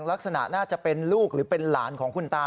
ลักษณะน่าจะเป็นลูกหรือเป็นหลานของคุณตา